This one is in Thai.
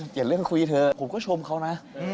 อย่าเลือกคุยกับเธอผมก็ชมเขานะ